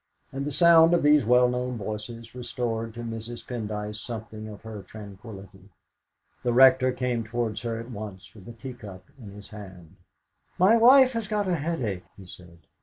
And the sound of these well known voices restored to Mrs. Pendyce something of her tranquillity. The Rector came towards her at once with a teacup in his hand. "My wife has got a headache," he said.